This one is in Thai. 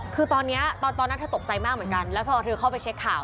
คือตอนนี้ตอนนั้นเธอตกใจมากเหมือนกันแล้วพอเธอเข้าไปเช็คข่าว